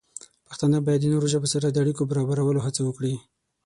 پښتانه باید د نورو ژبو سره د اړیکو د برابرولو هڅه وکړي.